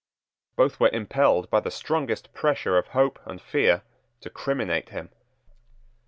Both were impelled by the strongest pressure of hope end fear to criminate him.